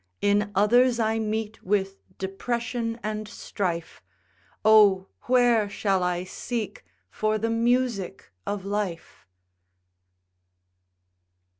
In others I meet with depression and strife; Oh! where shall I seek for the music of life?